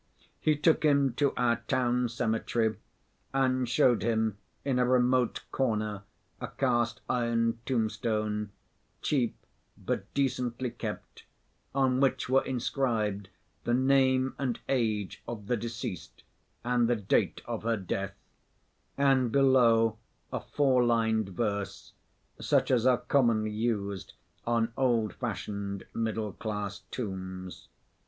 He took him to our town cemetery and showed him in a remote corner a cast‐iron tombstone, cheap but decently kept, on which were inscribed the name and age of the deceased and the date of her death, and below a four‐lined verse, such as are commonly used on old‐fashioned middle‐class tombs.